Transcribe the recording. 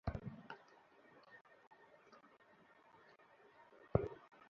ছাদটা যখন দরকার ছিল তখনই ঢালাই দেয়া দরকার ছিল।